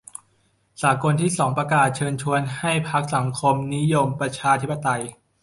สากลที่สองประกาศเชิญชวนให้พรรคสังคมนิยมประชาธิปไตย